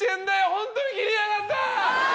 ホントに切りやがった！